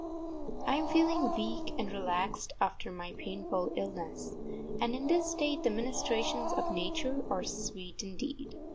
I am feeling weak and relaxed after my painful illness, and in this state the ministrations of nature are sweet indeed.